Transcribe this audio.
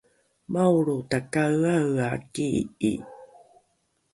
maolro takaeaea kii’i